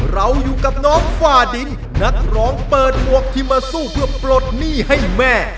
เราอยู่กับน้องฝ้าดินนักร้องเปิดหมวกที่มาสู้เพื่อปลดหนี้ให้แม่